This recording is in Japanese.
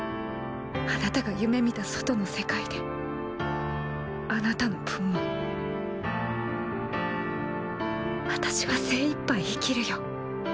あなたが夢みた外の世界であなたの分も私は精一杯生きるよ。